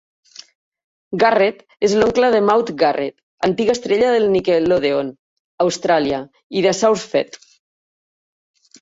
Garrett és l'oncle de Maude Garrett, antiga estrella de Nickelodeon Austràlia i de SourceFed.